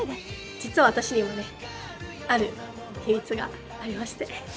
実は私にはねある秘密がありまして。